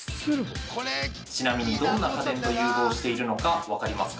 ちなみにどんな家電と融合しているのか分かりますか。